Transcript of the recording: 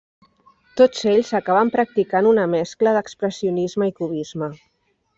Tots ells acaben practicant una mescla d'expressionisme i cubisme.